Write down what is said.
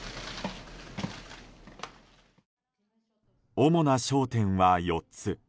主な焦点は４つ。